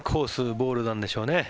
ボールなんでしょうね。